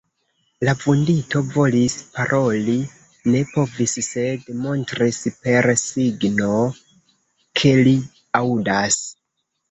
La vundito volis paroli, ne povis, sed montris per signo, ke li aŭdas.